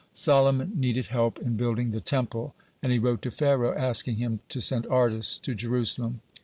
Solomon needed help in building the Temple, and he wrote to Pharaoh, asking him to send artists to Jerusalem.